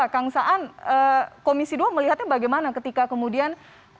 kang saan komisi dua melihatnya bagaimana ketika kemudian